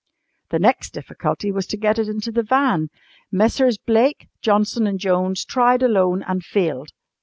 The next difficulty was to get it into the van. Messrs. Blake, Johnson and Jones tried alone and failed.